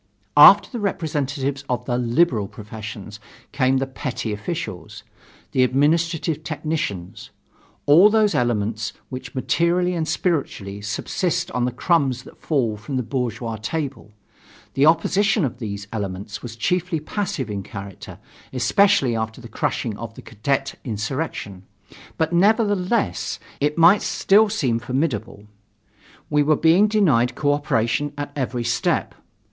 After the representatives of the "liberal" professions came the petty officials, the administrative technicians all those elements which materially and spiritually subsist on the crumbs that fall from the bourgeois table. The opposition of these elements was chiefly passive in character, especially after the crushing of the cadet insurrection; but, nevertheless, it might still seem formidable. We were being denied co operation at every step.